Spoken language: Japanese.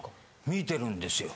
見てるんですよ。